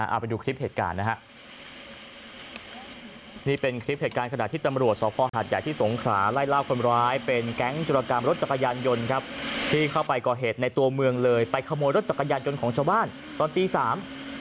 เอาไปดูคลิปเหตุการณ์นะฮะนี่เป็นคลิปเหตุการณ์ขณะที่ตำรวจสวพอฮาดใหญ่ที่สงขลาไล่ล่าคนร้ายเป็นแก๊งจุรกรรมรถจักรยานยนต์ครับที่เข้าไปก่อเหตุในตัวเมืองเลยไปขโมยรถจักรยานยนต์ของชาวบ้านตอนตีสาม